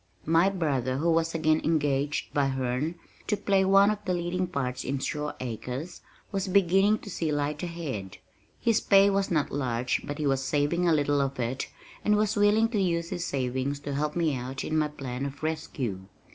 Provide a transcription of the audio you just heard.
My brother who was again engaged by Herne to play one of the leading parts in Shore Acres was beginning to see light ahead. His pay was not large but he was saving a little of it and was willing to use his savings to help me out in my plan of rescue.